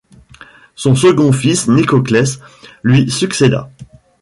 Son second fils Nicoclès lui succéda.